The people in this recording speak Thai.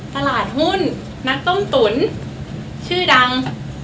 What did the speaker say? ตลาดหุ้นนักต้มตุ๋นชื่อดัง